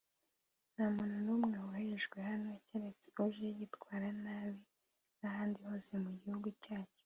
nta muntu n’umwe uhejwe hano keretse uje yitwara nabi nk’ahandi hose mu gihugu cyacu